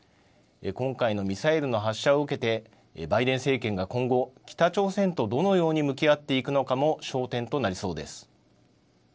今回のミサイルの発射を受けてバイデン政権が今後、北朝鮮とどのように向き合っていくのかも焦点となりそうです。